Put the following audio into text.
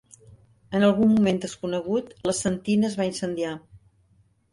En algun moment desconegut, la sentina es va incendiar.